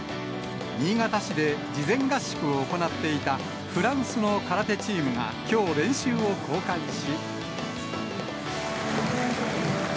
新潟市で事前合宿を行っていたフランスの空手チームがきょう、練習を公開し。